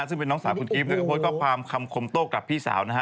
ซึ่งเป็นน้องสาวของคุณเกรสเคยโพสก็คำคมโต้กกรับพี่สาวนะฮะ